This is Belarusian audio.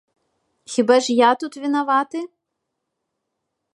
Хіба ж я тут вінаваты?